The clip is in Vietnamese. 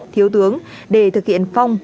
thiếu tướng để thực hiện phong